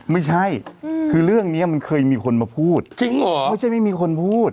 ไม่ใช่คือเรื่องเนี้ยมันเคยมีคนมาพูดจริงเหรอไม่ใช่ไม่มีคนพูด